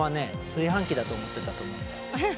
炊飯器だと思ってたと思うんだよ。